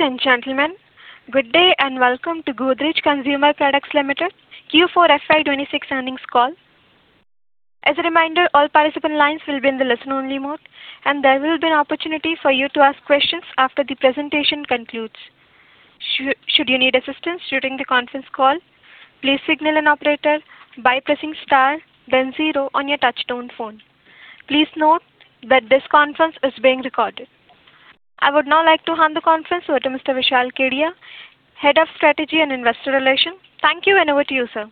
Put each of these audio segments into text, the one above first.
Ladies and gentlemen, good day, welcome to Godrej Consumer Products Limited Q4 FY 2026 earnings call. As a reminder, all participant lines will be in the listen only mode, and there will be an opportunity for you to ask questions after the presentation concludes. Should you need assistance during the conference call, please signal an operator by pressing star then zero on your touchtone phone. Please note that this conference is being recorded. I would now like to hand the conference over to Mr. Vishal Kedia, Head of Strategy and Investor Relations. Thank you, over to you, sir.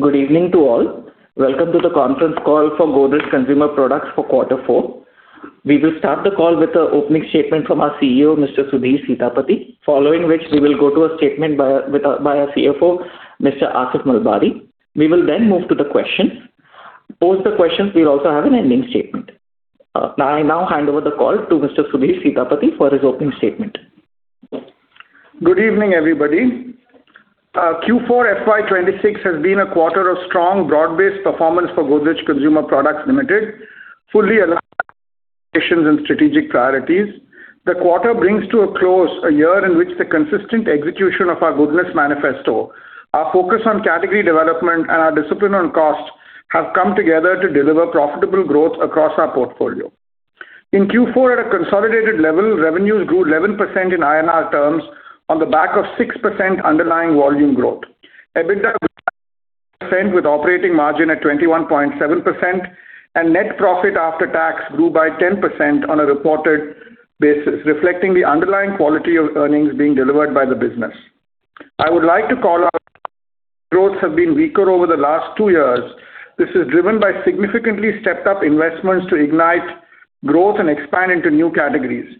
Good evening to all. Welcome to the conference call for Godrej Consumer Products for quarter four. We will start the call with an opening statement from our CEO, Mr. Sudhir Sitapati, following which we will go to a statement by our CFO, Mr. Aasif Malbari. We will then move to the questions. Post the questions, we'll also have an ending statement. I now hand over the call to Mr. Sudhir Sitapati for his opening statement. Good evening, everybody. Q4 FY 2026 has been a quarter of strong broad-based performance for Godrej Consumer Products Limited, fully aligned and strategic priorities. The quarter brings to a close a year in which the consistent execution of our Goodness Manifesto, our focus on category development, and our discipline on cost have come together to deliver profitable growth across our portfolio. In Q4, at a consolidated level, revenues grew 11% in INR terms on the back of 6% underlying volume growth. EBITDA % with operating margin at 21.7% and net profit after tax grew by 10% on a reported basis, reflecting the underlying quality of earnings being delivered by the business. I would like to call out growth have been weaker over the last two years. This is driven by significantly stepped up investments to ignite growth and expand into new categories.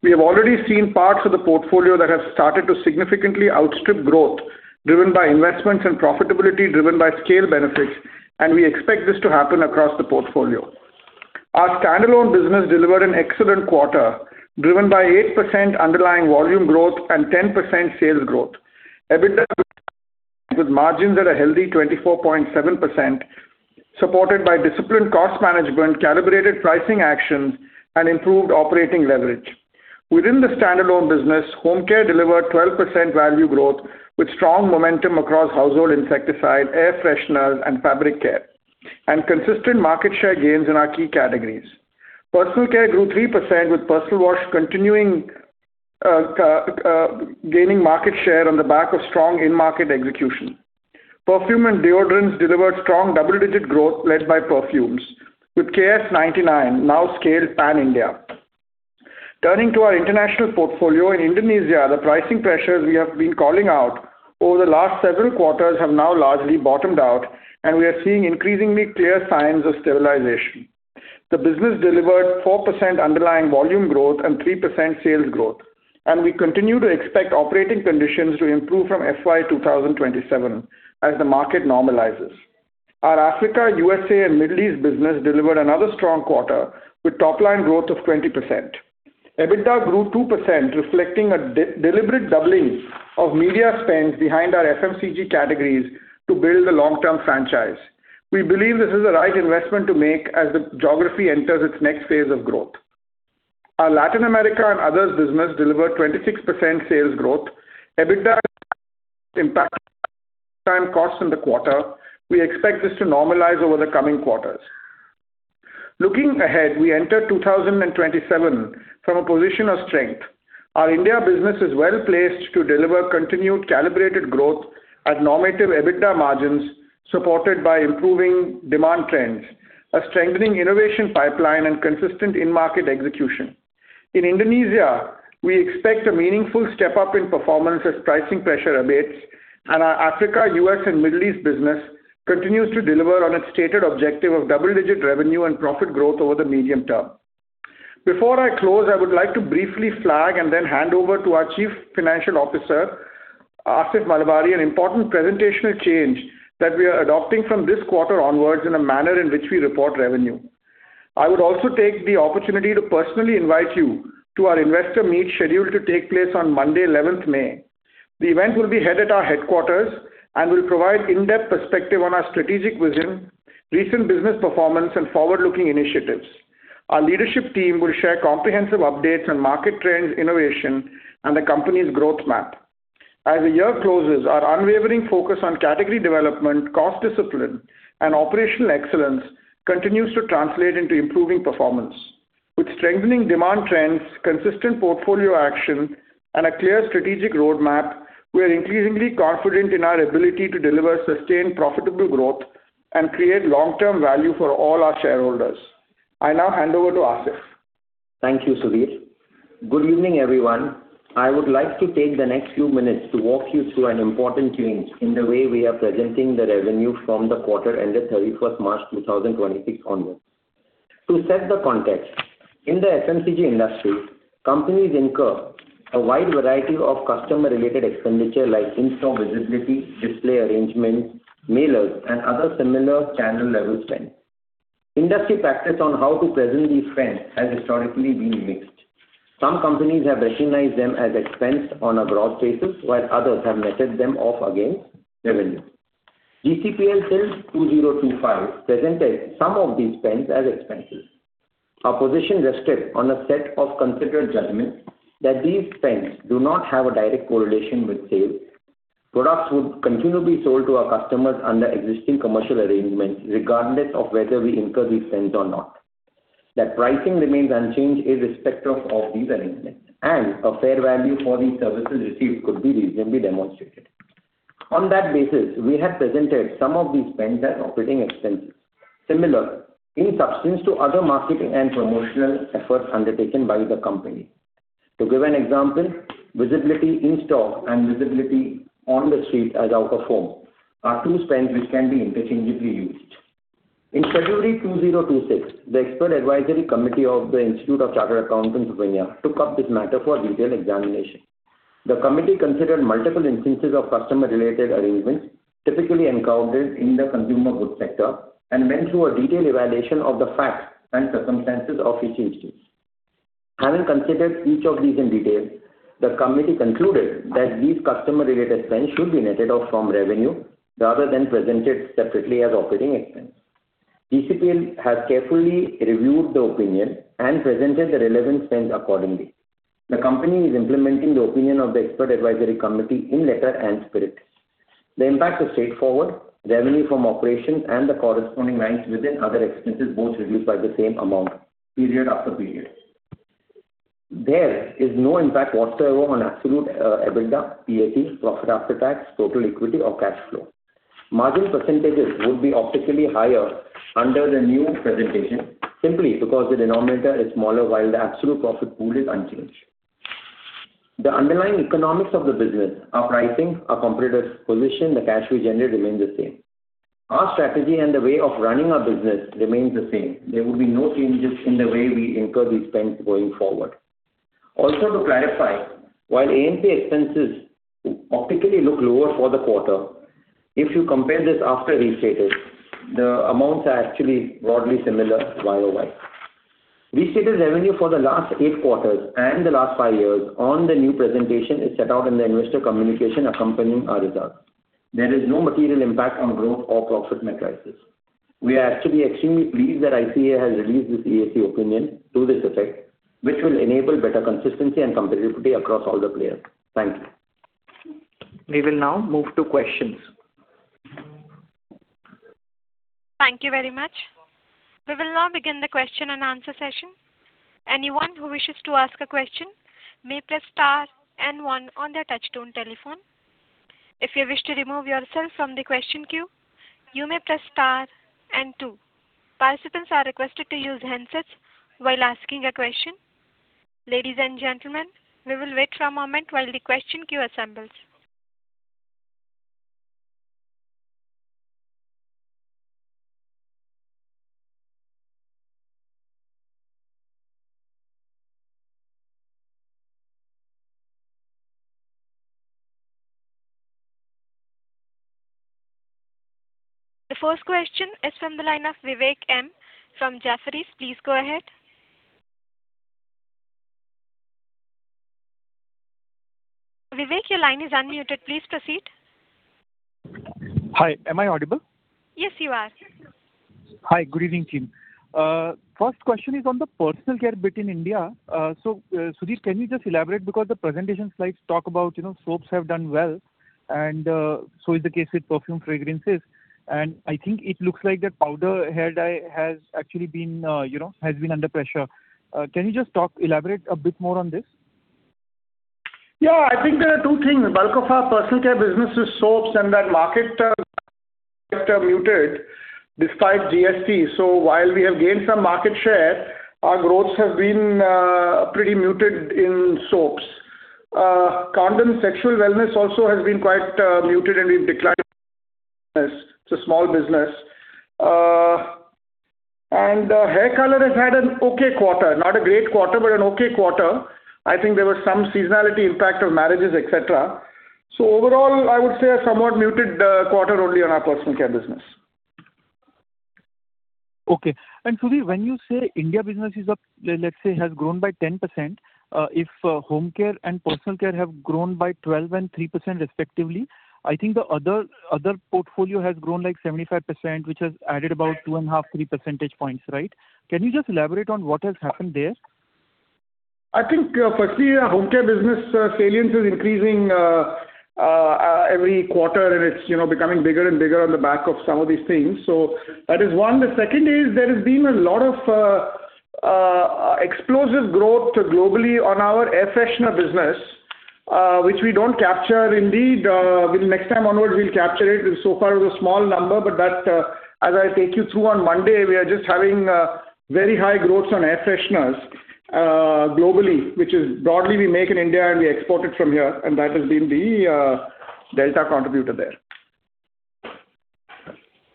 We have already seen parts of the portfolio that have started to significantly outstrip growth driven by investments and profitability driven by scale benefits. We expect this to happen across the portfolio. Our standalone business delivered an excellent quarter driven by 8% underlying volume growth and 10% sales growth. EBITDA with margins at a healthy 24.7%, supported by disciplined cost management, calibrated pricing actions, and improved operating leverage. Within the standalone business, Home Care delivered 12% value growth with strong momentum across household insecticide, air freshener, and fabric care, and consistent market share gains in our key categories. Personal care grew 3% with personal wash continuing gaining market share on the back of strong in-market execution. Perfume and deodorants delivered strong double-digit growth led by perfumes, with KS 99 now scaled pan-India. Turning to our international portfolio, in Indonesia, the pricing pressures we have been calling out over the last several quarters have now largely bottomed out, and we are seeing increasingly clear signs of stabilization. The business delivered 4% underlying volume growth and 3% sales growth, and we continue to expect operating conditions to improve from FY 2027 as the market normalizes. Our Africa, U.S., and Middle East business delivered another strong quarter with top-line growth of 20%. EBITDA grew 2%, reflecting a deliberate doubling of media spends behind our FMCG categories to build a long-term franchise. We believe this is the right investment to make as the geography enters its next phase of growth. Our Latin America and others business delivered 26% sales growth. EBITDA impact costs in the quarter. We expect this to normalize over the coming quarters. Looking ahead, we enter 2027 from a position of strength. Our India business is well-placed to deliver continued calibrated growth at normative EBITDA margins, supported by improving demand trends, a strengthening innovation pipeline, and consistent in-market execution. In Indonesia, we expect a meaningful step-up in performance as pricing pressure abates and our Africa, U.S., and Middle East business continues to deliver on its stated objective of double-digit revenue and profit growth over the medium term. Before I close, I would like to briefly flag and then hand over to our Chief Financial Officer, Aasif Malbari, an important presentational change that we are adopting from this quarter onwards in a manner in which we report revenue. I would also take the opportunity to personally invite you to our investor meet scheduled to take place on Monday, 11th May. The event will be held at our headquarters and will provide in-depth perspective on our strategic vision, recent business performance, and forward-looking initiatives. Our leadership team will share comprehensive updates on market trends, innovation, and the company's growth map. As the year closes, our unwavering focus on category development, cost discipline, and operational excellence continues to translate into improving performance. With strengthening demand trends, consistent portfolio action, and a clear strategic roadmap, we are increasingly confident in our ability to deliver sustained profitable growth and create long-term value for all our shareholders. I now hand over to Aasif. Thank you, Sudhir. Good evening, everyone. I would like to take the next few minutes to walk you through an important change in the way we are presenting the revenue from the quarter ended 31st March 2026 onwards. To set the context, in the FMCG industry, companies incur a wide variety of customer-related expenditure like in-store visibility, display arrangements, mailers, and other similar channel-level spend. Industry practice on how to present these spends has historically been mixed. Some companies have recognized them as expense on a broad basis, while others have netted them off against revenue. GCPL till 2025 presented some of these spends as expenses. Our position rested on a set of considered judgments that these spends do not have a direct correlation with sales. Products would continually be sold to our customers under existing commercial arrangements, regardless of whether we incur these spends or not. That pricing remains unchanged irrespective of these arrangements, and a fair value for these services received could be reasonably demonstrated. On that basis, we have presented some of these spends as operating expenses, similar in substance to other marketing and promotional efforts undertaken by the company. To give an example, visibility in-store and visibility on the street as out-of-home are two spends which can be interchangeably used. In February 2026, the Expert Advisory Committee of the Institute of Chartered Accountants of India took up this matter for detailed examination. The committee considered multiple instances of customer-related arrangements typically encountered in the consumer goods sector and went through a detailed evaluation of the facts and circumstances of each instance. Having considered each of these in detail, the committee concluded that these customer-related spends should be netted off from revenue rather than presented separately as operating expense. GCPL has carefully reviewed the opinion and presented the relevant spends accordingly. The company is implementing the opinion of the Expert Advisory Committee in letter and spirit. The impact is straightforward. Revenue from operations and the corresponding lines within other expenses both reduce by the same amount period after period. There is no impact whatsoever on absolute EBITDA, PAT, profit after tax, total equity or cash flow. Margin percentage would be optically higher under the new presentation simply because the denominator is smaller while the absolute profit pool is unchanged. The underlying economics of the business, our pricing, our competitive position, the cash we generate remains the same. Our strategy and the way of running our business remains the same. There will be no changes in the way we incur these spends going forward. Also, to clarify, while A&P expenses optically look lower for the quarter, if you compare this after restated, the amounts are actually broadly similar YoY. Restated revenue for the last eight quarters and the last five years on the new presentation is set out in the investor communication accompanying our results. There is no material impact on growth or profit metrics. We are actually extremely pleased that ICAI has released this EAC opinion to this effect, which will enable better consistency and comparability across all the players. Thank you. We will now move to questions. Thank you very much. We will now begin the question-and-answer session. The first question is from the line of Vivek Maheshwari from Jefferies. Please go ahead. Vivek, your line is unmuted. Please proceed. Hi. Am I audible? Yes, you are. Hi. Good evening, team. First question is on the personal care bit in India. Sudhir, can you just elaborate because the presentation slides talk about, you know, soaps have done well and so is the case with perfume fragrances, and I think it looks like that powder hair dye has actually been, you know, has been under pressure. Can you just elaborate a bit more on this? Yeah, I think there are two things. Bulk of our personal care business is soaps and that market, muted despite GST. While we have gained some market share, our growths have been pretty muted in soaps. Condom sexual wellness also has been quite muted and we've declined it's a small business. Hair color has had an okay quarter. Not a great quarter, but an okay quarter. I think there was some seasonality impact of marriages, et cetera. Overall, I would say a somewhat muted quarter only on our personal care business. Okay. Sudhir, when you say India business is up, let's say has grown by 10%, if home care and personal care have grown by 12% and 3% respectively, I think the other portfolio has grown like 75%, which has added about 2.5, 3 percentage points, right? Can you just elaborate on what has happened there? I think, firstly our home care business salience is increasing every quarter and it's, you know, becoming bigger and bigger on the back of some of these things. That is one. The second is there has been a lot of explosive growth globally on our air freshener business, which we don't capture indeed. Next time onwards we'll capture it. So far it was a small number. That, as I take you through on Monday, we are just having very high growth on air fresheners globally, which is broadly we make in India and we export it from here. That has been the delta contributor there.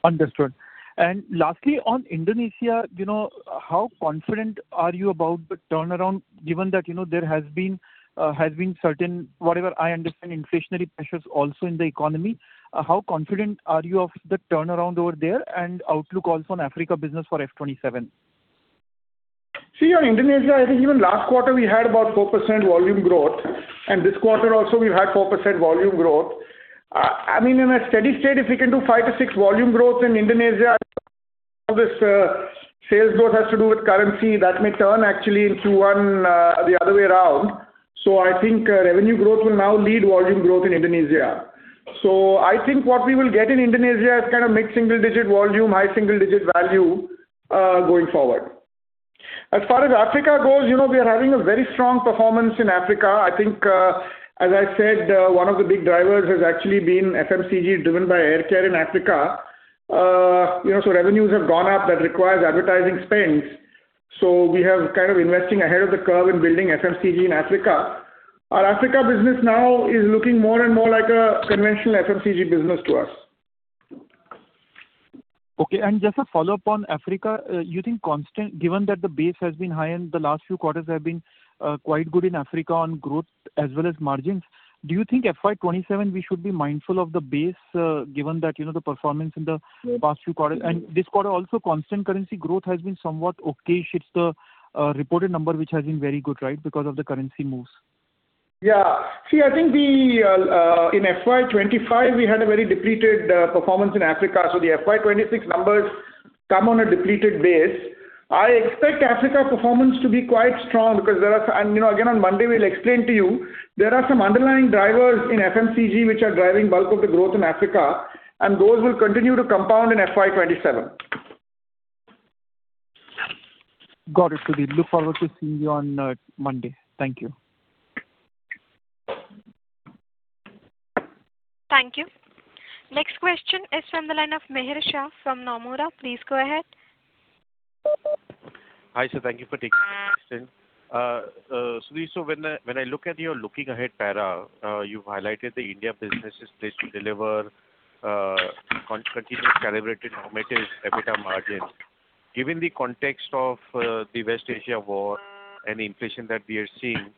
Understood. Lastly, on Indonesia, you know, how confident are you about the turnaround given that, you know, there has been certain, whatever I understand, inflationary pressures also in the economy. How confident are you of the turnaround over there and outlook also on Africa business for FY 2027? See, on Indonesia, I think even last quarter we had about 4% volume growth. This quarter also we've had 4% volume growth. I mean, in a steady state, if we can do 5%-6% volume growth in Indonesia this, sales growth has to do with currency that may turn actually into one, the other way around. I think, revenue growth will now lead volume growth in Indonesia. I think what we will get in Indonesia is kind of mid-single digit volume, high single digit value, going forward. As far as Africa goes, you know, we are having a very strong performance in Africa. I think, as I said, one of the big drivers has actually been FMCG driven by hair care in Africa. You know, revenues have gone up that requires advertising spends. We have kind of investing ahead of the curve in building FMCG in Africa. Our Africa business now is looking more and more like a conventional FMCG business to us. Okay. Just a follow-up on Africa. Given that the base has been high and the last few quarters have been quite good in Africa on growth as well as margins, do you think FY 2027 we should be mindful of the base, given that, you know, the performance in the past few quarters? This quarter also constant currency growth has been somewhat okayish. It's the reported number which has been very good, right? Because of the currency moves. Yeah. See, I think the in FY 2025 we had a very depleted performance in Africa, so the FY 2026 numbers come on a depleted base. I expect Africa performance to be quite strong because there are, you know, again, on Monday we'll explain to you, there are some underlying drivers in FMCG which are driving bulk of the growth in Africa, and those will continue to compound in FY 2027. Got it, Sudhir. Look forward to seeing you on Monday. Thank you. Thank you. Next question is from the line of Mihir Shah from Nomura. Please go ahead. Hi, sir. Thank you for taking my question. Sudhir, when I, when I look at your looking ahead para, you've highlighted the India businesses place to deliver continuous calibrated normative EBITDA margins. Given the context of the West Asia war and inflation that we are seeing,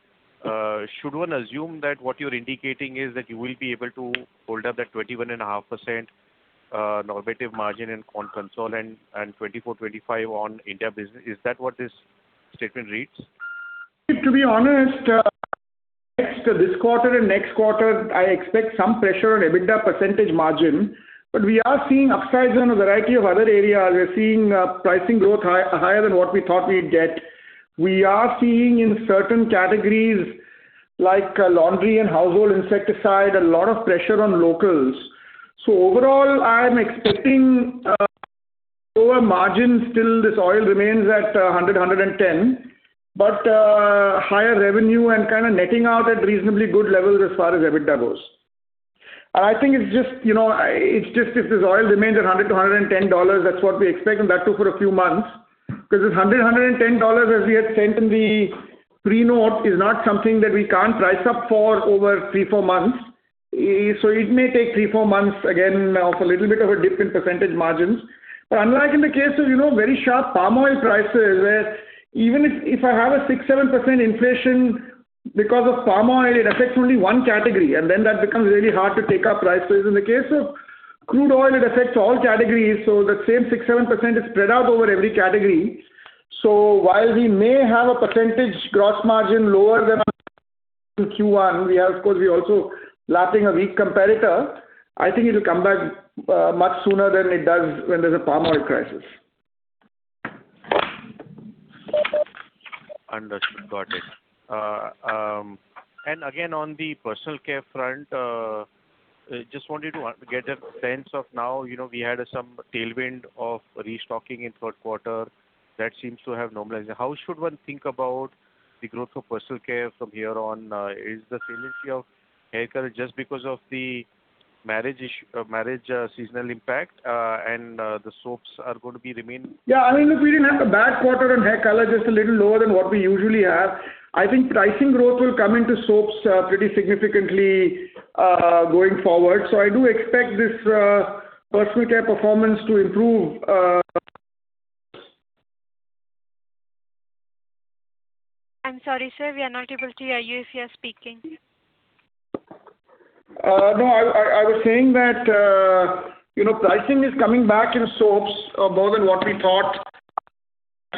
should one assume that what you're indicating is that you will be able to hold up that 21.5% normative margin in consol and 24, 25 on India business? Is that what this statement reads? To be honest, next to this quarter and next quarter, I expect some pressure on EBITDA percentage margin. We are seeing upsides on a variety of other areas. We are seeing pricing growth high, higher than what we thought we'd get. We are seeing in certain categories like laundry and household insecticide, a lot of pressure on locals. Overall, I'm expecting lower margins till this oil remains at $100-$110, higher revenue and kinda netting out at reasonably good levels as far as EBITDA goes. I think it's just, you know, it's just if this oil remains at $100-$110, that's what we expect, and that too for a few months. This $100, $110, as we had said in the pre-note, is not something that we can't price up for over three, four months. It may take three, four months, again, of a little bit of a dip in percentage margins. Unlike in the case of, you know, very sharp palm oil prices, where even if I have a 6%, 7% inflation because of palm oil, it affects only one category, and then that becomes really hard to take up prices. In the case of crude oil, it affects all categories, so that same 6%, 7% is spread out over every category. While we may have a percentage gross margin lower than in Q1, we are, of course, we're also lapping a weak comparator. I think it'll come back, much sooner than it does when there's a palm oil crisis. Understood. Got it. Again, on the personal care front, just wanted to get a sense of now, you know, we had some tailwind of restocking in third quarter. That seems to have normalized. How should one think about the growth of personal care from here on? Is the resiliency of hair color just because of the marriage seasonal impact, and the soaps are going to be. Yeah, I mean, look, we didn't have a bad quarter on hair color, just a little lower than what we usually have. I think pricing growth will come into soaps, pretty significantly, going forward. I do expect this personal care performance to improve. I'm sorry, sir, we are not able to hear you if you are speaking. No, I was saying that, you know, pricing is coming back in soaps, more than what we thought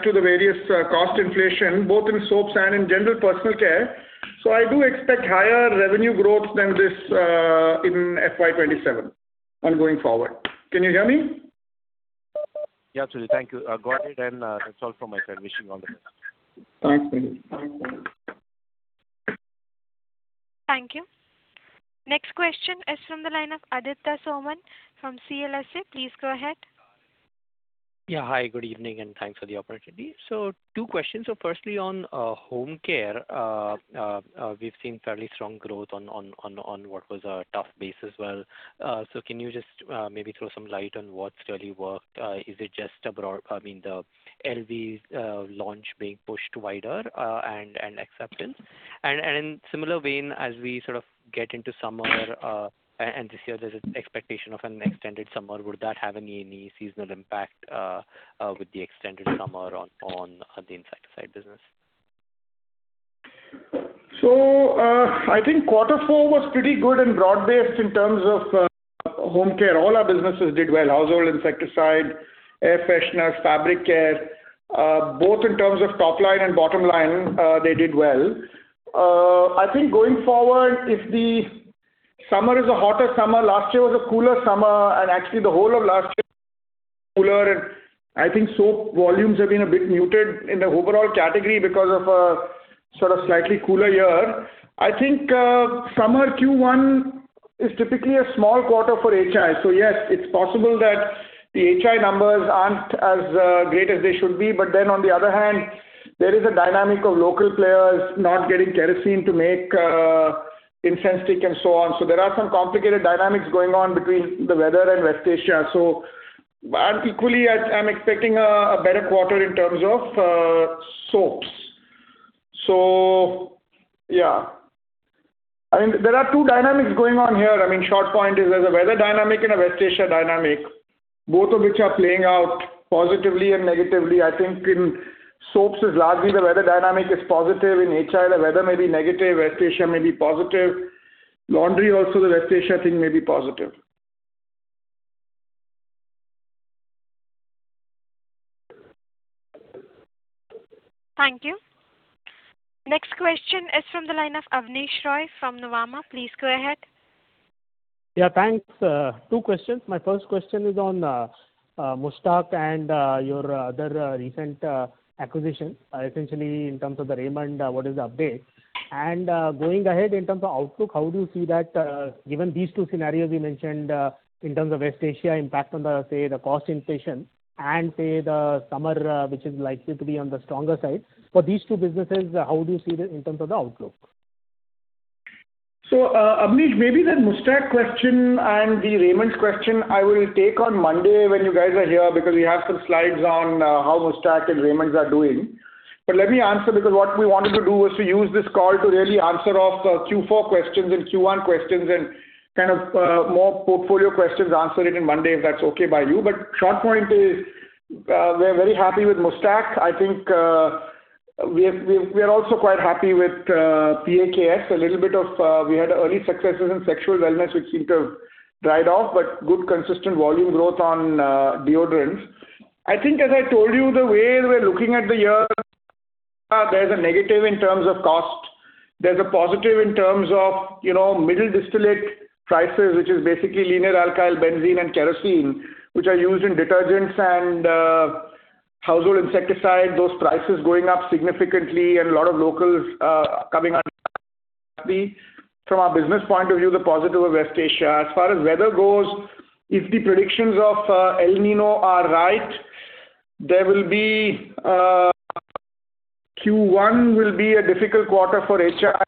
to the various cost inflation, both in soaps and in general personal care. I do expect higher revenue growth than this in FY 2027 and going forward. Can you hear me? Yeah, Sudhir. Thank you. Got it, that's all from my side. Wishing you all the best. Thanks, Mihir. Thank you. Next question is from the line of Aditya Soman from CLSA. Please go ahead. Yeah. Hi, good evening, and thanks for the opportunity. Two questions. Firstly, on home care, we've seen fairly strong growth on what was a tough base as well. Can you just maybe throw some light on what's really worked? Is it just I mean, the LVs launch being pushed wider and acceptance? In similar vein, as we sort of get into summer, and this year there's an expectation of an extended summer, would that have any seasonal impact with the extended summer on the insecticide business? I think quarter four was pretty good and broad-based in terms of home care. All our businesses did well. Household insecticide, air freshener, fabric care, both in terms of top line and bottom line, they did well. I think going forward, if the summer is a hotter summer, last year was a cooler summer, and actually the whole of last year cooler. I think soap volumes have been a bit muted in the overall category because of a sort of slightly cooler year. I think summer Q1 is typically a small quarter for HI. Yes, it's possible that the HI numbers aren't as great as they should be. On the other hand, there is a dynamic of local players not getting kerosene to make incense stick and so on. There are some complicated dynamics going on between the weather and West Asia. Equally, I'm expecting a better quarter in terms of soaps. Yeah. I mean, there are two dynamics going on here. I mean, short point is there's a weather dynamic and a West Asia dynamic, both of which are playing out positively and negatively. I think in soaps is largely the weather dynamic is positive. In HI, the weather may be negative, West Asia may be positive. Laundry also, the West Asia thing may be positive. Thank you. Next question is from the line of Abneesh Roy from Nuvama. Please go ahead. Thanks. Two questions. My first question is on Muuchstac and your other recent acquisition, essentially in terms of the Raymond, what is the update? Going ahead in terms of outlook, how do you see that, given these two scenarios you mentioned, in terms of West Asia impact on the, say, the cost inflation and say the summer, which is likely to be on the stronger side? For these two businesses, how do you see the in terms of the outlook? Abneesh Roy, maybe the Muuchstac question and the Raymond question I will take on Monday when you guys are here because we have some slides on how Muuchstac and Raymond are doing. Let me answer because what we wanted to do was to use this call to really answer off the Q4 questions and Q1 questions and kind of more portfolio questions answered in Monday, if that's okay by you. Short point is, we're very happy with Muuchstac. I think, we're also quite happy with Park Avenue. A little bit of, we had early successes in sexual wellness which seem to have dried off, but good consistent volume growth on deodorants. I think as I told you, the way we're looking at the year, there's a negative in terms of cost. There's a positive in terms of, you know, middle distillate prices, which is basically linear alkylbenzene and kerosene, which are used in detergents and household insecticide. Those prices going up significantly and a lot of locals coming on from our business point of view, the positive of West Asia. As far as weather goes, if the predictions of El Niño are right, there will be, Q1 will be a difficult quarter for HI,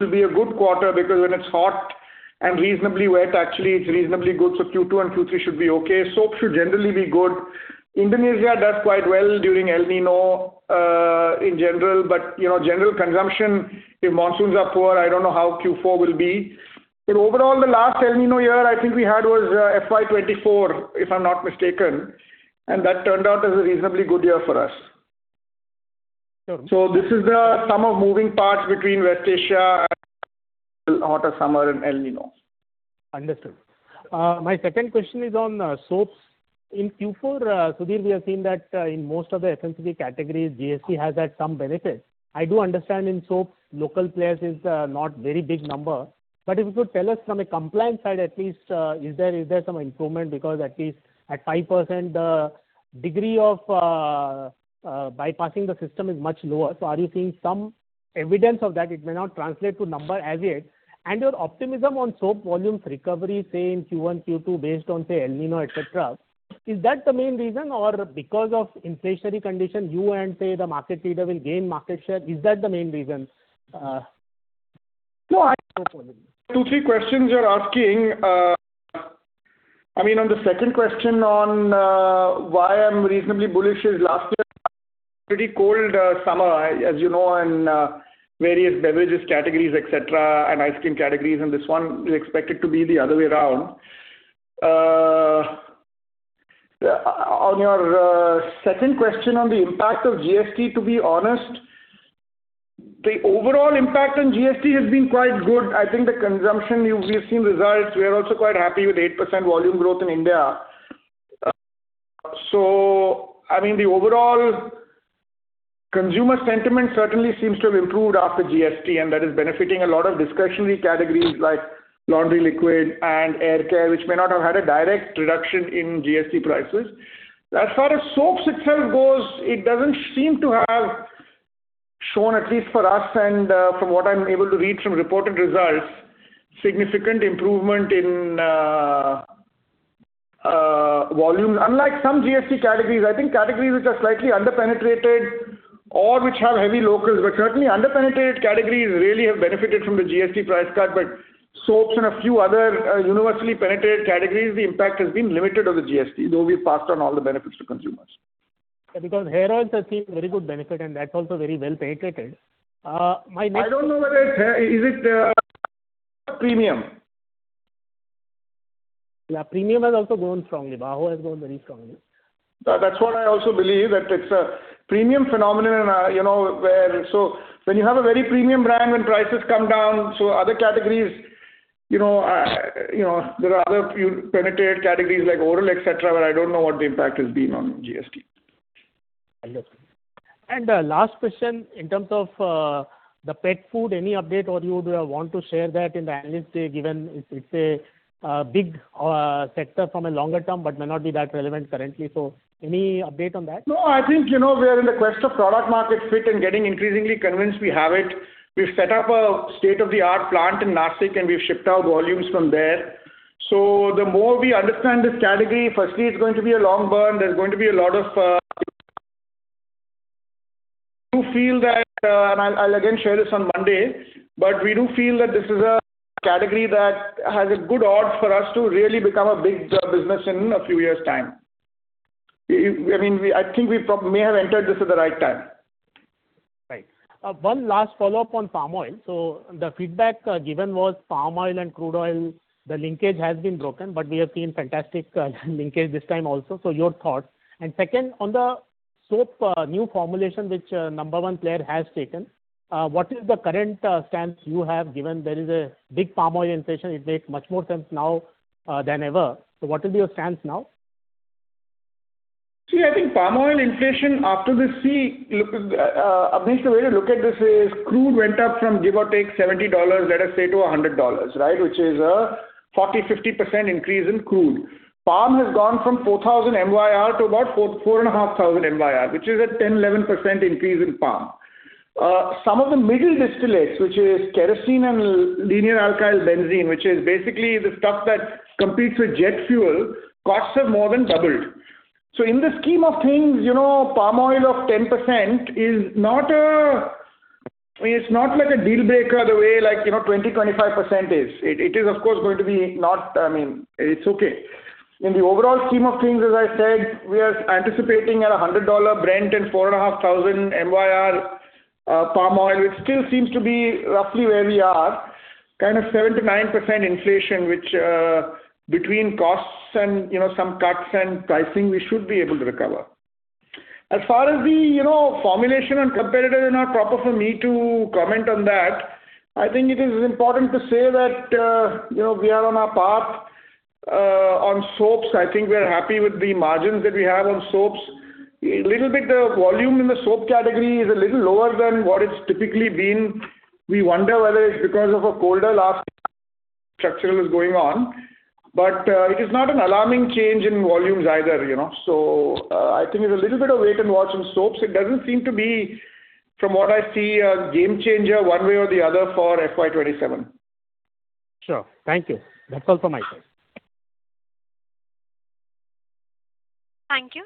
to be a good quarter because when it's hot and reasonably wet, actually it's reasonably good. Q2 and Q3 should be okay. Soap should generally be good. Indonesia does quite well during El Niño in general, you know, general consumption, if monsoons are poor, I don't know how Q4 will be. Overall, the last El Niño year I think we had was FY 2024, if I'm not mistaken, and that turned out as a reasonably good year for us. Sure. This is the sum of moving parts between West Asia and hotter summer and El Niño. Understood. My second question is on soaps. In Q4, Sudhir, we have seen that in most of the FMCG categories, GST has had some benefit. I do understand in soap local players is not very big number. But if you could tell us from a compliance side at least, is there some improvement? Because at least at 5%, degree of bypassing the system is much lower. So are you seeing some evidence of that? It may not translate to number as yet. Your optimism on soap volumes recovery, say in Q1, Q2 based on, say, El Niño, et cetera, is that the main reason? Or because of inflationary condition, you and say the market leader will gain market share, is that the main reason? Two, three questions you're asking. I mean, on the second question on why I'm reasonably bullish is last year pretty cold summer, as you know, and various beverages categories, et cetera, and ice cream categories, and this one is expected to be the other way around. On your second question on the impact of GST, to be honest, the overall impact on GST has been quite good. I think the consumption we have seen results. We are also quite happy with 8% volume growth in India. I mean, the overall consumer sentiment certainly seems to have improved after GST, and that is benefiting a lot of discretionary categories like laundry liquid and air care, which may not have had a direct reduction in GST prices. As far as soaps itself goes, it doesn't seem to have shown, at least for us and, from what I'm able to read from reported results, significant improvement in volume. Unlike some GST categories, I think categories which are slightly under-penetrated or which have heavy locals, but certainly under-penetrated categories really have benefited from the GST price cut. Soaps and a few other, universally penetrated categories, the impact has been limited on the GST, though we've passed on all the benefits to consumers. Hair Oil has seen very good benefit, and that's also very well penetrated. I don't know whether it's hair. Is it premium? Yeah, premium has also grown strongly. Bahujan has grown very strongly. That's what I also believe, that it's a premium phenomenon, you know, where when you have a very premium brand, when prices come down, other categories, you know, there are other few penetrated categories like oral, et cetera, where I don't know what the impact has been on GST. Last question, in terms of the pet food, any update or you want to share that in the analyst day, given it's a big sector from a longer term, but may not be that relevant currently. Any update on that? I think, you know, we are in the quest of product market fit and getting increasingly convinced we have it. We've set up a state-of-the-art plant in Nashik, and we've shipped out volumes from there. The more we understand this category, firstly, it's going to be a long burn. There's going to be a lot of, do feel that, and I'll again share this on Monday, we do feel that this is a category that has a good odd for us to really become a big business in a few years' time. I mean, I think we may have entered this at the right time. Right. one last follow-up on palm oil. The feedback given was palm oil and crude oil, the linkage has been broken, but we have seen fantastic linkage this time also. Your thoughts. Second, on the soap, new formulation which number one player has taken, what is the current stance you have given there is a big palm oil inflation, it makes much more sense now than ever. What is your stance now? I think palm oil inflation after this see, look, Abneesh Roy, the way to look at this is crude went up from give or take $70, let us say, to $100, right? Which is a 40%-50% increase in crude. Palm has gone from 4,000 MYR to about 4,000-4,500 MYR, which is a 10%-11% increase in palm. Some of the middle distillates, which is kerosene and linear alkyl benzene, which is basically the stuff that competes with jet fuel, costs have more than doubled. In the scheme of things, you know, palm oil of 10% is not a, it's not like a deal breaker the way like, you know, 20%-25% is. It is of course going to be, I mean, it's okay. In the overall scheme of things, as I said, we are anticipating at a $100 Brent and 4,500 MYR palm oil. It still seems to be roughly where we are, kind of 7%-9% inflation, which, between costs and, you know, some cuts and pricing, we should be able to recover. As far as the, you know, formulation and competitive are not proper for me to comment on that. I think it is important to say that, you know, we are on our path on soaps. I think we are happy with the margins that we have on soaps. A little bit of volume in the soap category is a little lower than what it's typically been. We wonder whether it's because of a colder last structural is going on, but it is not an alarming change in volumes either, you know. I think it's a little bit of wait and watch on soaps. It doesn't seem to be, from what I see, a game changer one way or the other for FY 2027. Sure. Thank you. That's all from my side. Thank you.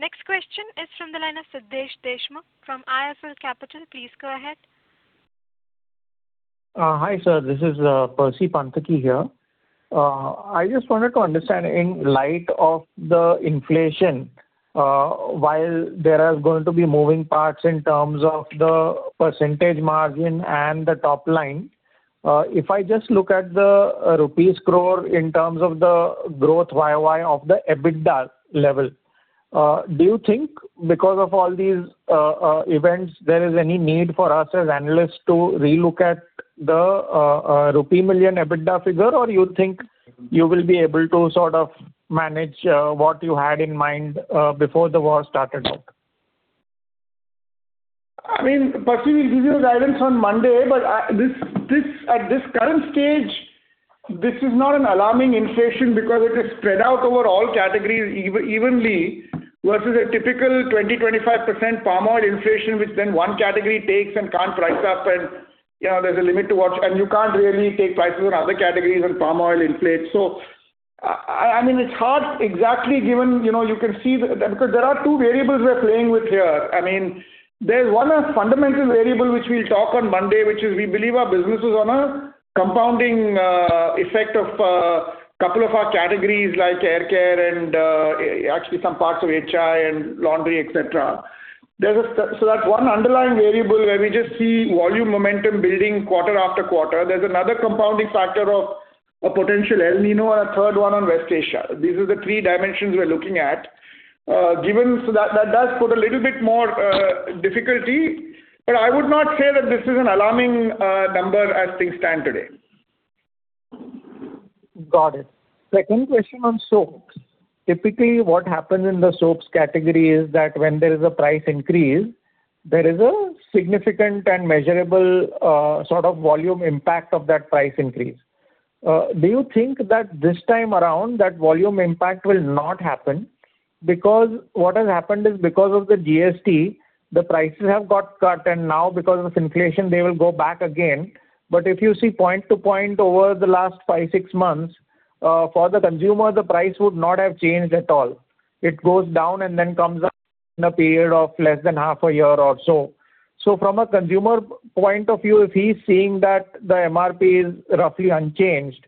Next question is from the line of Siddhesh Deshmukh from IIFL Capital. Please go ahead. Hi sir, this is Percy Panthaki here. I just wanted to understand in light of the inflation, while there are going to be moving parts in terms of the percentage margin and the top line, if I just look at the rupees crore in terms of the growth YoY of the EBITDA level, do you think because of all these events there is any need for us as analysts to re-look at the rupee million EBITDA figure? Or you think you will be able to sort of manage what you had in mind before the war started out? I mean, Percy, we'll give you the guidance on Monday. At this current stage, this is not an alarming inflation because it is spread out over all categories evenly versus a typical 20%-25% palm oil inflation, which then one category takes and can't price up and, you know, there's a limit to what you can't really take prices on other categories when palm oil inflates. I mean, it's hard exactly given, you know, you can see the. There are two variables we are playing with here. I mean, there's one, a fundamental variable which we'll talk on Monday, which is we believe our business is on a compounding effect of couple of our categories like hair care and actually some parts of HI and laundry, et cetera. That one underlying variable where we just see volume momentum building quarter after quarter. There's another compounding factor of a potential El Niño and a third one on West Asia. These are the three dimensions we are looking at. Given that does put a little bit more difficulty, but I would not say that this is an alarming number as things stand today. Got it. Second question on soaps. Typically, what happens in the soaps category is that when there is a price increase, there is a significant and measurable, sort of volume impact of that price increase. Do you think that this time around that volume impact will not happen? What has happened is because of the GST, the prices have got cut, and now because of inflation, they will go back again. If you see point to point over the last five, six months, for the consumer, the price would not have changed at all. It goes down and then comes up in a period of less than half a year or so. From a consumer point of view, if he's seeing that the MRP is roughly unchanged,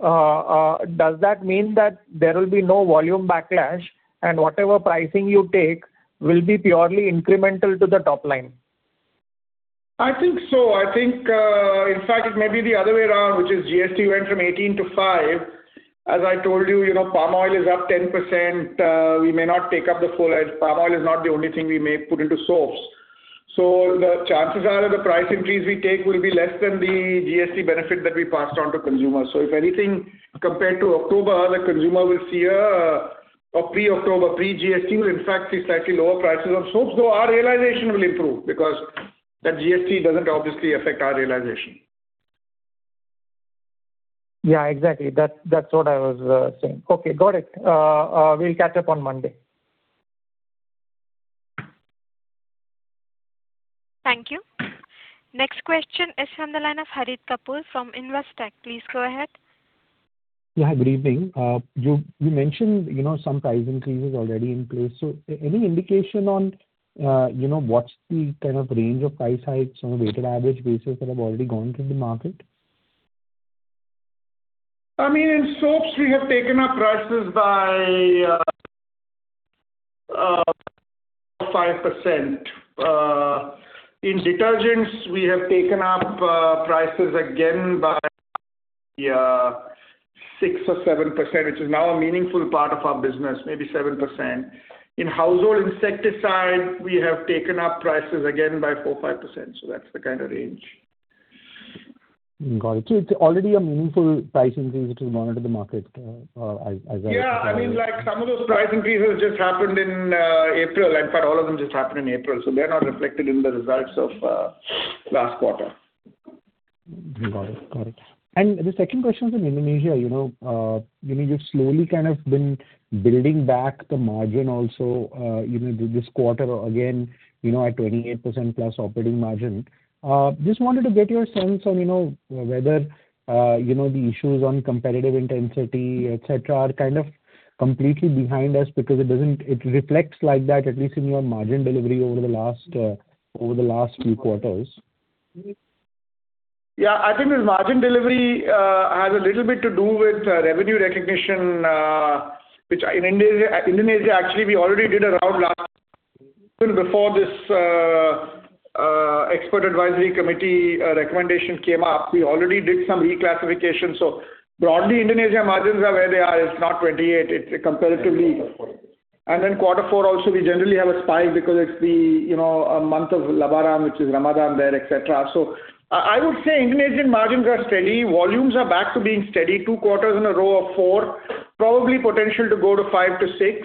does that mean that there will be no volume backlash and whatever pricing you take will be purely incremental to the top line? I think so. I think, in fact, it may be the other way around. GST went from 18% to 5%. As I told you know, palm oil is up 10%. We may not take up the full edge. Palm oil is not the only thing we may put into soaps. The chances are that the price increase we take will be less than the GST benefit that we passed on to consumers. If anything, compared to October, the consumer will see a pre-October, pre-GST will in fact see slightly lower prices on soaps, though our realization will improve because that GST doesn't obviously affect our realization. Yeah, exactly. That's what I was saying. Okay, got it. We'll catch up on Monday. Thank you. Next question is from the line of Harit Kapoor from Investec. Please go ahead. Yeah, good evening. You mentioned, you know, some price increases already in place. Any indication on, you know, what's the kind of range of price hikes on a weighted average basis that have already gone through the market? I mean, in soaps we have taken up prices by 5%. In detergents we have taken up prices again by 6% or 7%, which is now a meaningful part of our business, maybe 7%. In household insecticide, we have taken up prices again by 4%, 5%. That's the kind of range. Got it. It's already a meaningful price increase which will monitor the market as I understand. Yeah, I mean, like, some of those price increases just happened in April. All of them just happened in April, so they're not reflected in the results of last quarter. Got it. Got it. The second question is on Indonesia. You know, you've slowly kind of been building back the margin also, you know, this quarter again, you know, at 28%+ operating margin. Just wanted to get your sense on, you know, whether, you know, the issues on competitive intensity, et cetera, are kind of completely behind us because it doesn't reflect like that, at least in your margin delivery over the last, over the last few quarters. Yeah, I think this margin delivery has a little bit to do with revenue recognition, which in Indonesia, actually, we already did a round last even before this Expert Advisory Committee recommendation came up. We already did some reclassification. Broadly, Indonesia margins are where they are. It's not 28%. Quarter four. Quarter four also we generally have a spike because it's the, you know, month of Lebaran, which is Ramadan there, et cetera. I would say Indonesian margins are steady. Volumes are back to being steady two quarters in a row of four, probably potential to go to 5%-6%.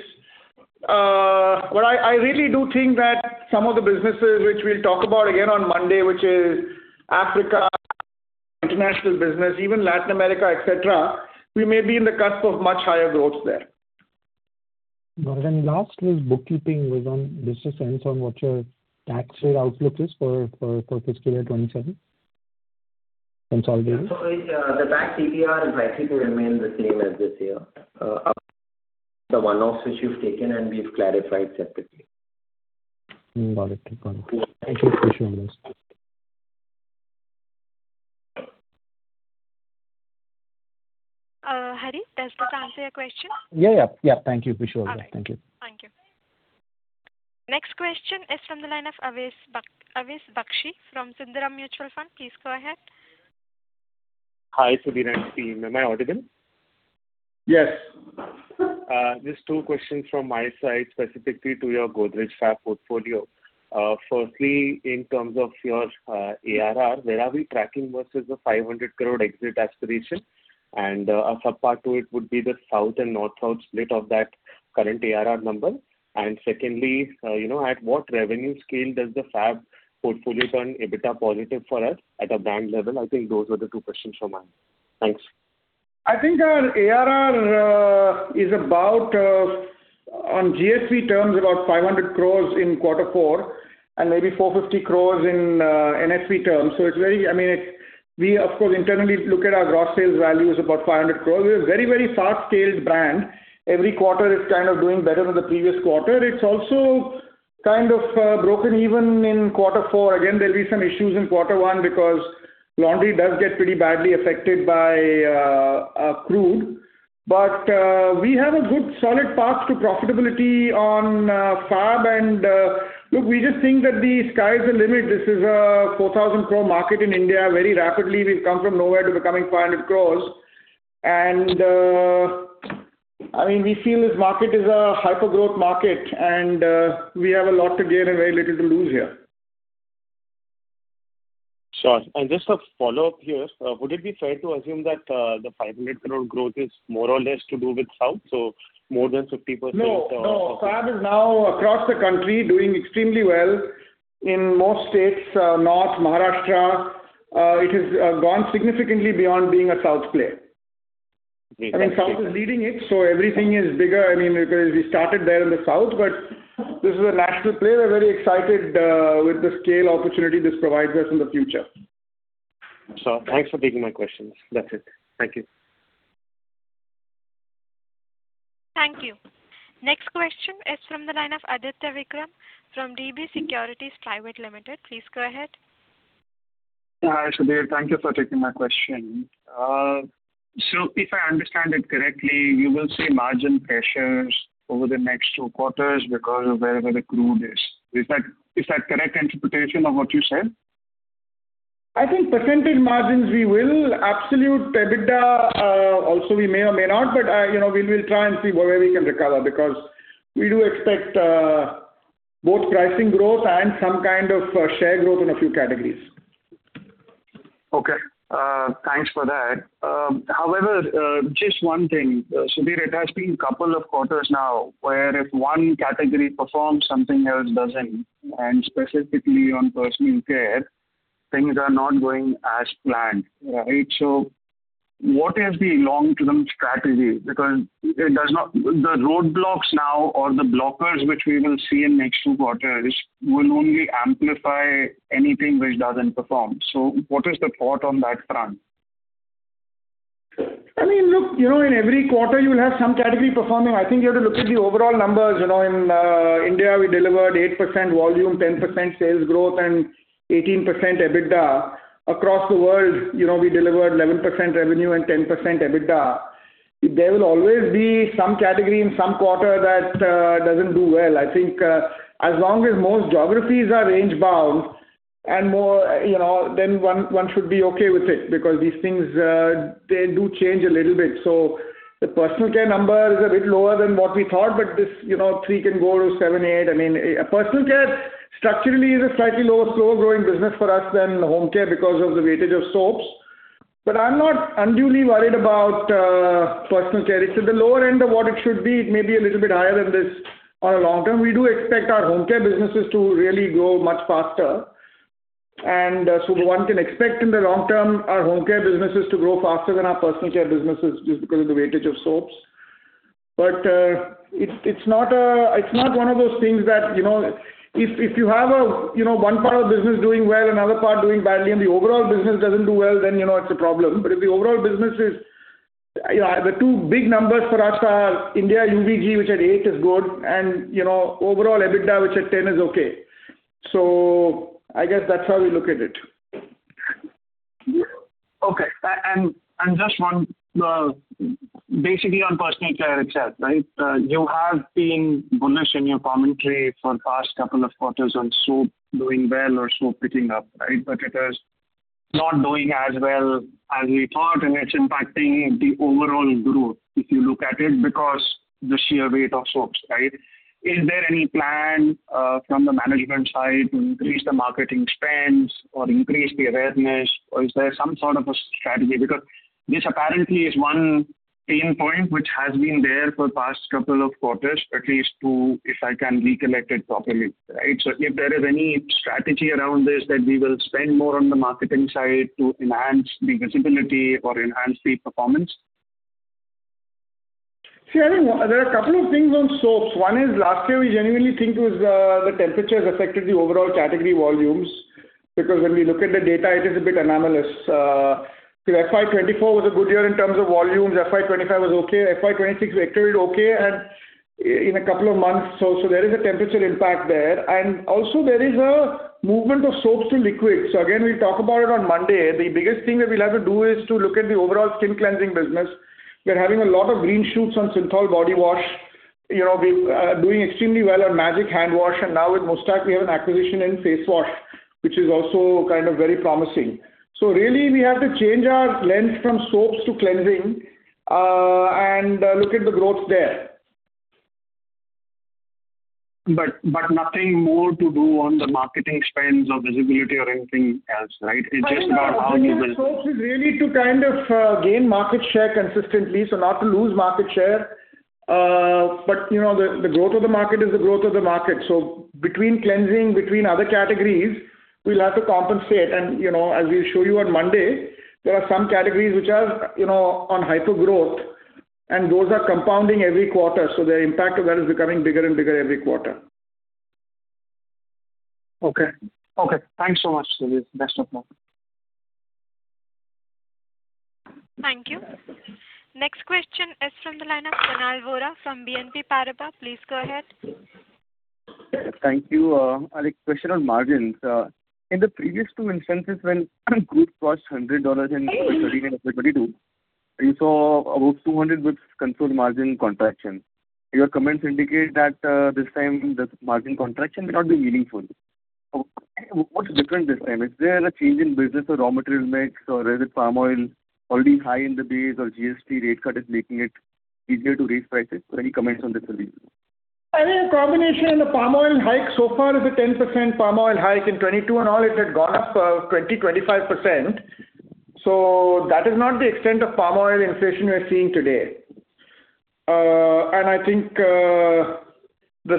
I really do think that some of the businesses which we'll talk about again on Monday, which is Africa, international business, even Latin America, et cetera, we may be in the cusp of much higher growth there. Got it. Last is bookkeeping, Vishal. Just a sense on what your tax rate outlook is for fiscal year 2027 consolidated? The tax ETR is likely to remain the same as this year. The one-offs which you've taken and we've clarified separately. Got it. Okay, got it. Yeah. Thank you. Appreciate this. Harit, does that answer your question? Yeah, yeah. Yeah. Thank you. Appreciate it. Okay. Thank you. Thank you. Next question is from the line of Awais Bakshi from Sundaram Mutual Fund. Please go ahead. Hi, Sudhir and team. Am I audible? Yes. Just two questions from my side, specifically to your Godrej Fab portfolio. Firstly, in terms of your ARR, where are we tracking versus the 500 crore exit aspiration? A sub-part to it would be the south and north-south split of that current ARR number. Secondly, you know, at what revenue scale does the Fab portfolio turn EBITDA positive for us at a bank level? I think those were the two questions from my end. Thanks. I think our ARR is about on GSP terms, about 500 crores in quarter four, and maybe 450 crores in NSP terms. We of course internally look at our gross sales value is about 500 crores. We're a very, very fast-scaled brand. Every quarter is kind of doing better than the previous quarter. It's also kind of broken even in quarter four. Again, there'll be some issues in quarter one because laundry does get pretty badly affected by crude. We have a good solid path to profitability on Fab and look, we just think that the sky's the limit. This is a 4,000 crore market in India. Very rapidly we've come from nowhere to becoming 500 crores. I mean, we feel this market is a hyper-growth market and we have a lot to gain and very little to lose here. Sure. Just a follow-up here. Would it be fair to assume that the 500 crore growth is more or less to do with south? More than 50%? No, no. Fab is now across the country doing extremely well in most states, north, Maharashtra. It has gone significantly beyond being a south player. Okay. That's clear. I mean, south is leading it, so everything is bigger. I mean, because we started there in the south, but this is a national player. We're very excited with the scale opportunity this provides us in the future. Sure. Thanks for taking my questions. That's it. Thank you. Thank you. Next question is from the line of Aditya Vikram from DB Securities Private Limited. Please go ahead. Hi, Sudhir. Thank you for taking my question. If I understand it correctly, you will see margin pressures over the next two quarters because of where the crude is. Is that correct interpretation of what you said? I think percentage margins we will. Absolute EBITDA also we may or may not, but, you know, we will try and see where we can recover, because we do expect both pricing growth and some kind of share growth in a few categories. Okay. thanks for that. however, just one thing. Sudhir, it has been couple of quarters now where if one category performs, something else doesn't, and specifically on personal care, things are not going as planned. Right? What is the long-term strategy? The roadblocks now or the blockers which we will see in next two quarters will only amplify anything which doesn't perform. What is the thought on that front? I mean, look, you know, in every quarter you will have some category performing. I think you have to look at the overall numbers. You know, in India, we delivered 8% volume, 10% sales growth and 18% EBITDA. Across the world, you know, we delivered 11% revenue and 10% EBITDA. There will always be some category in some quarter that doesn't do well. I think as long as most geographies are range bound and more, you know, then one should be okay with it because these things they do change a little bit. The personal care number is a bit lower than what we thought, but this, you know, 3% can go to 7%, 8%. I mean, personal care structurally is a slightly lower, slower growing business for us than home care because of the weightage of soaps. I'm not unduly worried about personal care. It's at the lower end of what it should be. It may be a little bit higher than this on a long term. We do expect our home care businesses to really grow much faster. So one can expect in the long term our home care businesses to grow faster than our personal care businesses just because of the weightage of soaps. It's not one of those things that, you know, if you have a, you know, one part of business doing well, another part doing badly and the overall business doesn't do well, then, you know, it's a problem. If the overall business is You know, the two big numbers for us are India UVG, which at 8% is good, and, you know, overall EBITDA, which at 10% is okay. I guess that's how we look at it. Okay. Just one, basically on personal care itself, right? You have been bullish in your commentary for past two quarters on soap doing well or soap picking up, right? It is not doing as well as we thought, and it's impacting the overall growth if you look at it, because the sheer weight of soaps, right? Is there any plan from the management side to increase the marketing spends or increase the awareness? Is there some sort of a strategy? This apparently is one pain point which has been there for past two quarters, at least two, if I can recollect it properly, right? If there is any strategy around this that we will spend more on the marketing side to enhance the visibility or enhance the performance. I mean, there are a couple of things on soaps. One is, last year we genuinely think it was the temperatures affected the overall category volumes. When we look at the data, it is a bit anomalous. FY 2024 was a good year in terms of volumes. FY 2025 was okay. FY 2026 we acted okay and in a couple of months. There is a temperature impact there. Also, there is a movement of soaps to liquids. Again, we'll talk about it on Monday. The biggest thing that we'll have to do is to look at the overall skin cleansing business. We are having a lot of green shoots on Cinthol body wash. You know, we doing extremely well on Magic hand wash. Now with Muuchstac we have an acquisition in face wash, which is also kind of very promising. Really we have to change our lens from soaps to cleansing, and look at the growth there. Nothing more to do on the marketing spends or visibility or anything else, right? It's just about how you will- Well, you know, the focus is really to kind of gain market share consistently, not to lose market share. You know, the growth of the market is the growth of the market. Between cleansing, between other categories, we'll have to compensate. You know, as we'll show you on Monday, there are some categories which are, you know, on hypergrowth, and those are compounding every quarter. Their impact there is becoming bigger and bigger every quarter. Okay. Okay. Thanks so much, Sudhir. Best of luck. Thank you. Next question is from the line of Kunal Vora from BNP Paribas. Please go ahead. Thank you. I have a question on margins. In the previous two instances when crude crossed $100 in 2020 and 2022, you saw above 200 with controlled margin contraction. Your comments indicate that this time the margin contraction may not be meaningful. What's different this time? Is there a change in business or raw material mix, or is it palm oil already high in the base or GST rate cut is making it easier to raise prices? Any comments on this, Sudhir? I think a combination. The palm oil hike so far is a 10% palm oil hike. In 2022 and all it had gone up, 20%-25%. That is not the extent of palm oil inflation we are seeing today. I think the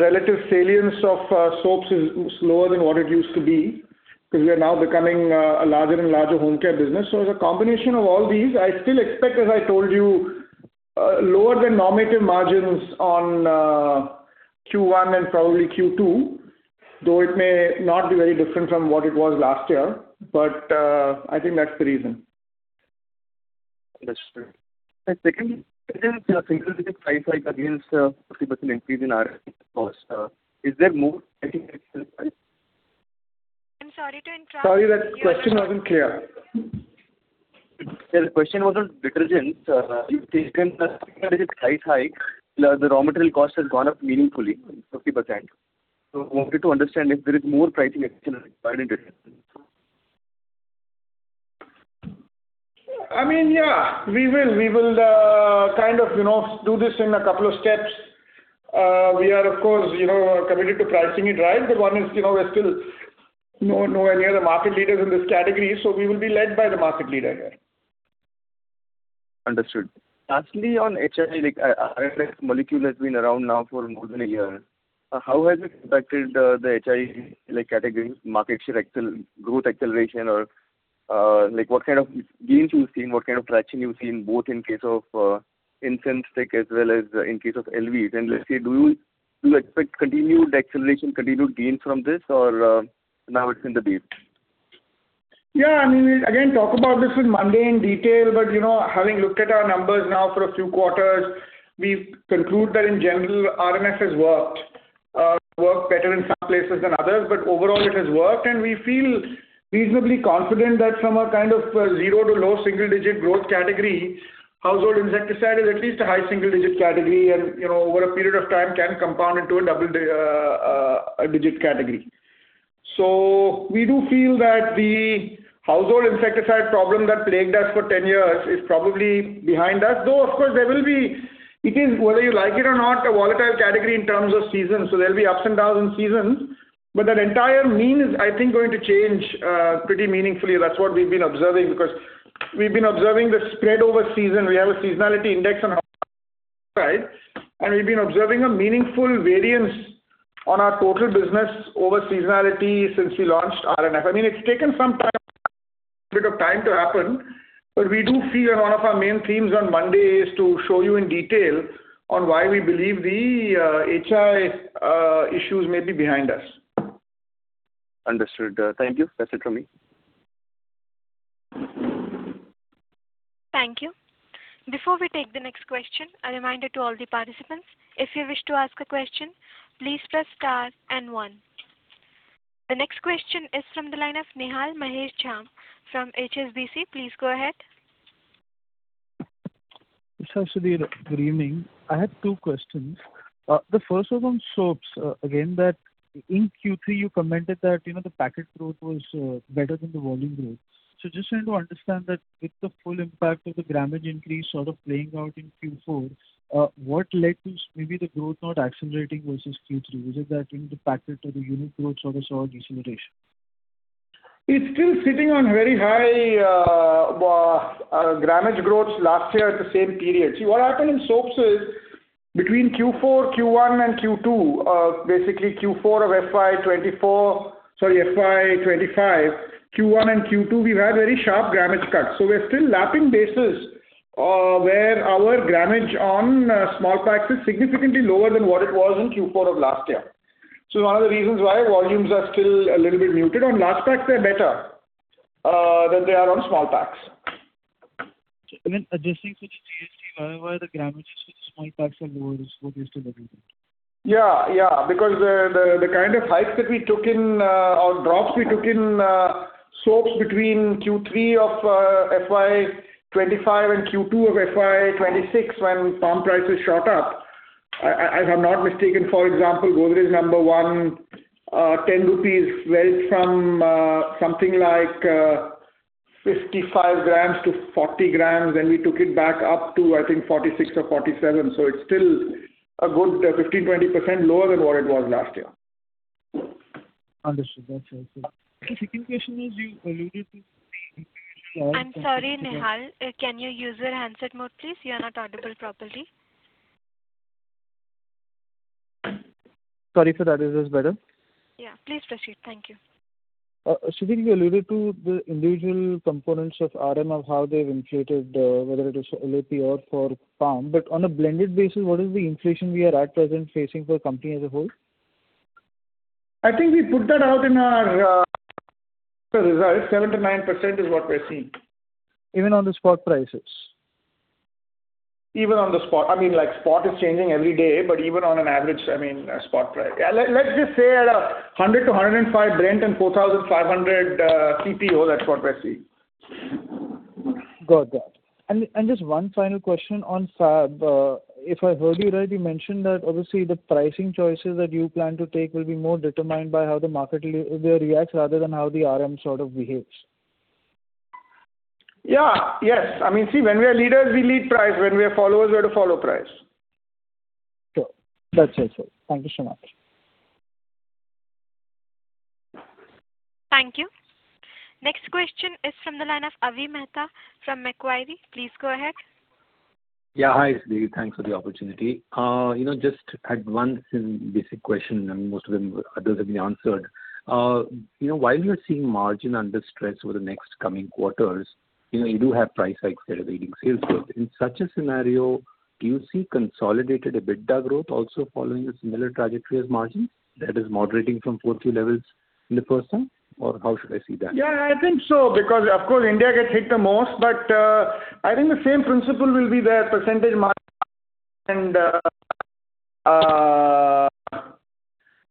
relative salience of soaps is slower than what it used to be 'cause we are now becoming a larger and larger home care business. As a combination of all these, I still expect, as I told you, lower than normative margins on Q1 and probably Q2, though it may not be very different from what it was last year. I think that's the reason. Understood. Second, price hike against a 50% increase in our cost. Is there more? I'm sorry to interrupt you. Sorry, that question wasn't clear. Yeah, the question was on detergents. Given the price hike, the raw material cost has gone up meaningfully, 50%. Wanted to understand if there is more pricing action? I mean, yeah. We will kind of, you know, do this in a couple of steps. We are of course, you know, committed to pricing it right. One is, you know, we're still nowhere near the market leaders in this category, so we will be led by the market leader here. Understood. Lastly, on HI, like, RMF molecule has been around now for more than a year. How has it impacted the HI, like, category market share growth acceleration or, like, what kind of gains you've seen, what kind of traction you've seen, both in case of incense stick as well as in case of LVs. Let's say, do you expect continued acceleration, continued gains from this or, now it's in the base? I mean, we again talk about this with Monday in detail. You know, having looked at our numbers now for a few quarters, we conclude that in general, RMF has worked. Worked better in some places than others, overall it has worked, we feel reasonably confident that from a kind of a zero to low single digit growth category, household insecticide is at least a high single digit category, you know, over a period of time can compound into a double digit category. We do feel that the household insecticide problem that plagued us for 10 years is probably behind us. Of course, there will be. It is, whether you like it or not, a volatile category in terms of season, there will be ups and downs in seasons. That entire mean is, I think, going to change pretty meaningfully. That's what we've been observing, because we've been observing the spread over season. We have a seasonality index on our side, and we've been observing a meaningful variance on our total business over seasonality since we launched RMF. I mean, it's taken some time, bit of time to happen, but we do feel and one of our main themes on Monday is to show you in detail on why we believe the HI issues may be behind us. Understood. Thank you. That's it from me. Thank you. Before we take the next question, a reminder to all the participants. If you wish to ask a question, please press star and one. The next question is from the line of Nihal Mahesh Jham from HSBC. Please go ahead. Yes, Sudhir. Good evening. I have two questions. The first was on soaps, again, that in Q3 you commented that, you know, the packet growth was better than the volume growth. Just trying to understand that with the full impact of the grammage increase sort of playing out in Q4, what led to maybe the growth not accelerating versus Q3? Was it that in the packet or the unit growth sort of saw a deceleration? It's still sitting on very high grammage growth last year at the same period. See, what happened in soaps is between Q4, Q1, and Q2, basically Q4 of FY 2024 Sorry, FY 2025, Q1 and Q2, we've had very sharp grammage cuts. We're still lapping bases, where our grammage on small packs is significantly lower than what it was in Q4 of last year. One of the reasons why volumes are still a little bit muted. On large packs, they're better than they are on small packs. Even adjusting for the GST, however, the grammages for the small packs are lower as compared to the. Yeah. Yeah. The kind of hikes that we took in or drops we took in soaps between Q3 of FY 2025 and Q2 of FY 2026 when palm prices shot up, I, if I'm not mistaken, for example, Godrej No. 1, 10 rupees went from something like 55 g to 40 g. We took it back up to, I think 46 g to 47 g. It's still a good 15%-20% lower than what it was last year. Understood. That's helpful. The second question is you alluded to. I'm sorry, Nihal. Can you use your handset mode, please? You are not audible properly. Sorry for that. Is this better? Yeah. Please proceed. Thank you. Sudhir, you alluded to the individual components of RM of how they've inflated, whether it is for LAB or for palm. On a blended basis, what is the inflation we are at present facing for company as a whole? I think we put that out in our results. 7% to 9% is what we're seeing. Even on the spot prices? Even on the spot. I mean, like, spot is changing every day, but even on an average, I mean, spot price. Yeah, let's just say at a 100 to 105 Brent and 4,500 CPO, that's what we're seeing. Got that. Just one final question on Fab. If I heard you right, you mentioned that obviously the pricing choices that you plan to take will be more determined by how the market reacts rather than how the RM sort of behaves. Yeah. Yes. I mean, see, when we are leaders, we lead price. When we are followers, we have to follow price. Sure. That's it, sir. Thank you so much. Thank you. Next question is from the line of Avi Mehta from Macquarie. Please go ahead. Yeah. Hi, Sudhir. Thanks for the opportunity. you know, just I had one basic question, and most of them, others have been answered. you know, while you're seeing margin under stress over the next coming quarters, you know, you do have price hikes that are raising sales prices In such a scenario, do you see consolidated EBITDA growth also following a similar trajectory as margin that is moderating from 40 levels in the percent, or how should I see that? Yeah, I think so, because of course India gets hit the most, but, I think the same principle will be there, percentage margin and,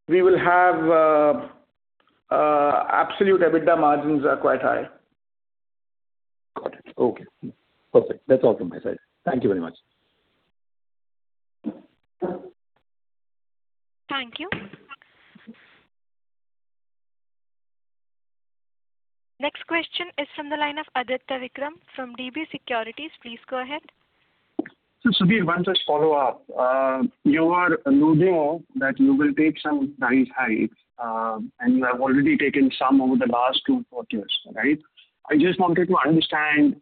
we will have, absolute EBITDA margins are quite high. Got it. Okay. Perfect. That's all from my side. Thank you very much. Thank you. Next question is from the line of Aditya Vikram from DB Securities. Please go ahead. Sudhir, one just follow-up. You are alluding that you will take some price hikes, and you have already taken some over the last two, four years, right? I just wanted to understand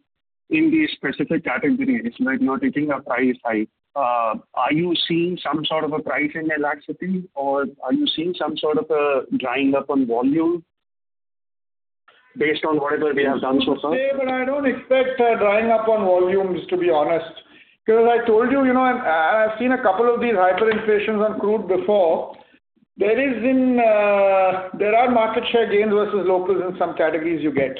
in these specific categories where you are taking a price hike, are you seeing some sort of a pricing elasticity or are you seeing some sort of a drying up on volume based on whatever we have done so far? I don't expect a drying up on volumes, to be honest. I told you know, I've seen a couple of these hyperinflations on crude before. There are market share gains versus locals in some categories you get.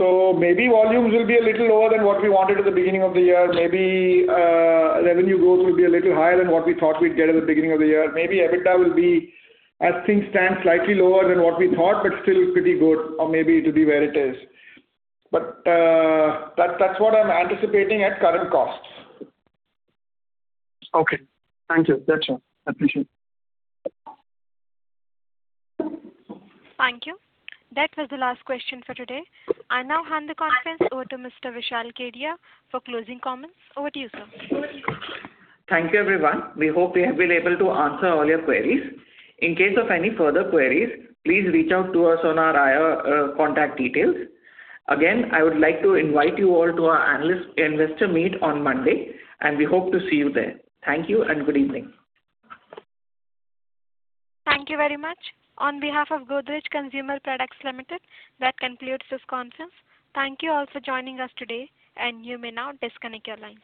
Maybe volumes will be a little lower than what we wanted at the beginning of the year. Maybe revenue growth will be a little higher than what we thought we'd get at the beginning of the year. Maybe EBITDA will be, as things stand, slightly lower than what we thought, but still pretty good or maybe to be where it is. That's what I'm anticipating at current costs. Okay. Thank you. That's all. I appreciate it. Thank you. That was the last question for today. I now hand the conference over to Mr. Vishal Kedia for closing comments. Over to you, sir. Thank you, everyone. We hope we have been able to answer all your queries. In case of any further queries, please reach out to us on our IR contact details. Again, I would like to invite you all to our analyst investor meet on Monday, and we hope to see you there. Thank you and good evening. Thank you very much. On behalf of Godrej Consumer Products Limited, that concludes this conference. Thank you all for joining us today, and you may now disconnect your lines.